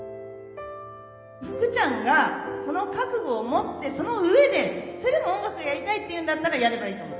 福ちゃんがその覚悟を持ってその上でそれでも音楽がやりたいっていうんだったらやればいいと思う。